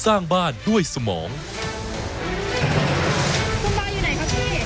ข้างบนข้างบน